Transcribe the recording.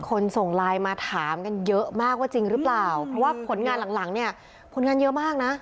ส่งไลน์มาถามกันเยอะมากว่าจริงหรือเปล่าเพราะว่าผลงานหลังหลังเนี่ยผลงานเยอะมากนะ